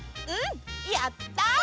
うんやった！